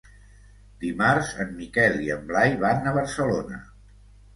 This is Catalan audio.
Dimarts en Miquel i en Blai van a Barcelona.